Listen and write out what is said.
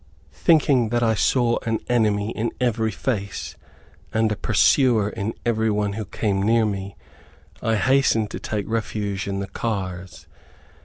Thinking that I saw an enemy in every face, and a pursuer in every one who came near me, I hastened to take refuge in the cars.